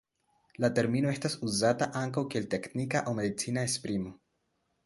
La termino estas uzata ankaŭ kiel teknika aŭ medicina esprimo.